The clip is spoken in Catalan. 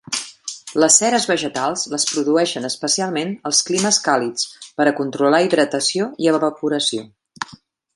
Les ceres vegetals les produeixen especialment els climes càlids per a controlar hidratació i evaporació.